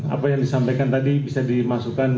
apa yang disampaikan tadi bisa dimasukkan